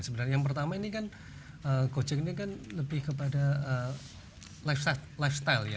sebenarnya yang pertama ini kan gojek ini kan lebih kepada lifestyle ya